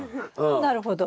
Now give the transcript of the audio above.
なるほど。